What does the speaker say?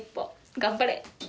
頑張れ！！